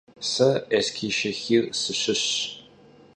Se Eskişşêxir sışışş.